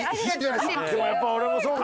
でもやっぱ俺もそうか。